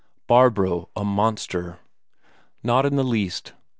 Barbro a monster? Not in the least.